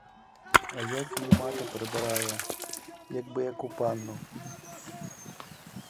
А як її мати прибирає, як би яку панну!